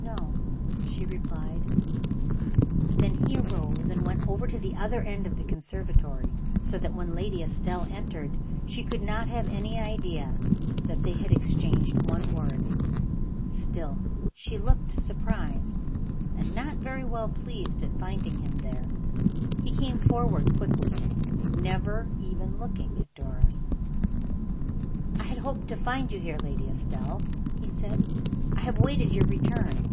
"No," she replied. Then he arose and went over to the other end of the conservatory, so that when Lady Estelle entered, she could not have any idea that they had exchanged one word. Still she looked surprised, and not very well pleased at finding him there. He came forward quickly, never even looking at Doris. "I had hoped to find you here, Lady Estelle," he said. "I have waited your return.